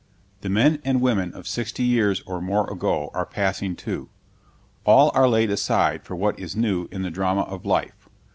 The men and women of sixty years or more ago are passing, too. All are laid aside for what is new in the drama of life.